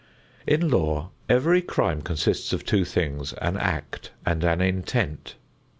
In law every crime consists of two things: an act and an intent.